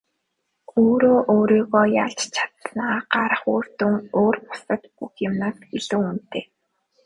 Өөрөө өөрийгөө ялж чадсанаа гарах үр дүн өөр бусад бүх юмнаас илүү үнэтэй.